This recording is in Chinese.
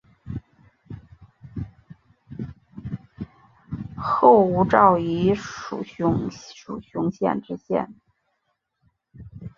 后吴兆毅署雄县知县。